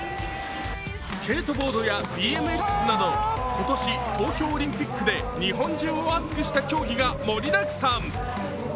スケートボードやＢＭＸなど今年東京オリンピックで日本中を熱くした競技が盛りだくさん。